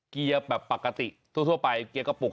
เกียร์แบบปกติทั่วไปเกียร์กระปุก